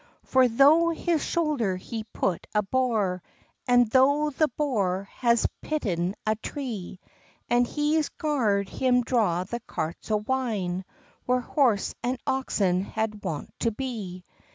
For thro his shoulder he put a bore, An thro the bore has pitten a tree, And he's gard him draw the carts o wine, Where horse and oxen had wont to be.